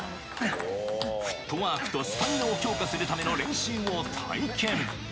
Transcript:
フットワークとスタミナを強化するための練習を体験。